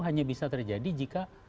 hanya bisa terjadi jika